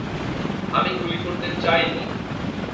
আমি গুলি করতে চাইনি।